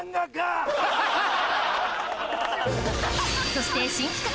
そして新企画！